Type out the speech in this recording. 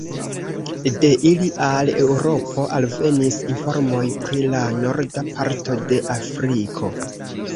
De ili al Eŭropo alvenis informoj pri la norda parto de Afriko.